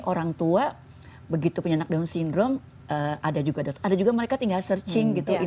orang tua begitu punya anak down syndrome ada juga mereka tinggal searching gitu